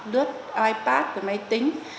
đứt ipad và máy tính